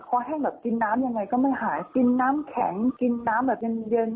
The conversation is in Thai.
ให้แบบกินน้ำยังไงก็ไม่หายกินน้ำแข็งกินน้ำแบบเย็น